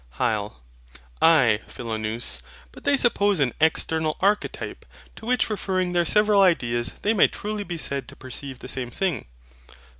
HYL. Ay, Philonous, but they suppose an external archetype, to which referring their several ideas they may truly be said to perceive the same thing.